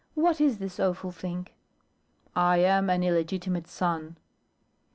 What is this awful thing?" "I am an illegitimate son."